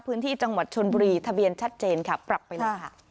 พื้นที่จังหวัดชนบุรีทะเบียนชัดเจนค่ะปรับไปเลยค่ะ